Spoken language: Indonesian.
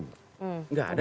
enggak ada yang klaim